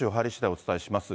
お伝えします。